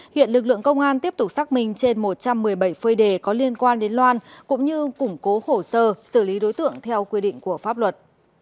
hiện lực lượng công an tiếp tục xác minh trên một trăm một mươi bảy phơi đề có liên quan đến loan cũng như củng cố khổ sơ xử lý đối tượng theo quy định của pháp luật